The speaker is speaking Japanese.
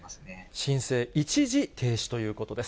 申請一時停止ということです。